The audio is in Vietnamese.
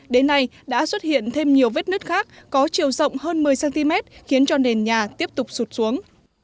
đến nay đã xuất hiện thêm nhiều vết nứt khác có chiều rộng hơn một mươi cm khiến cho nền nhà tiếp tục sụt xuống